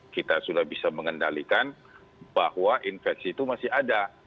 kita sudah bisa mengendalikan bahwa infeksi itu masih ada